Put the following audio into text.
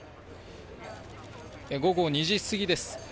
午後２時過ぎです。